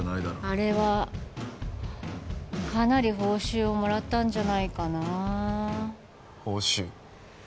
あれはかなり報酬をもらったんじゃないかな報酬？